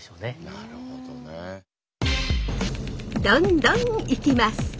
どんどんいきます！